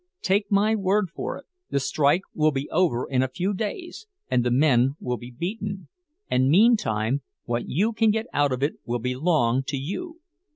Take my word for it, the strike will be over in a few days, and the men will be beaten; and meantime what you can get out of it will belong to you.